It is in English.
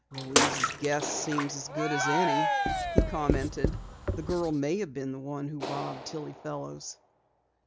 "Louise's guess seems as good as any," he commented. "The girl may have been the one who robbed Tillie Fellows."